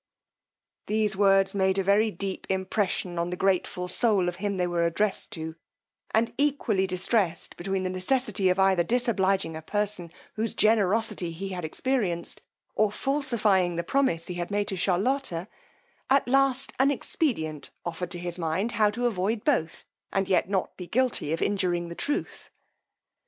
These words made a very deep impression on the grateful soul of him they were addressed to; and equally distressed between the necessity of either disobliging a person whose generosity he had experienced, or falsifying the promise he had made to Charlotta, at last an expedient offered to his mind how to avoid both, and yet not be guilty of injuring the truth.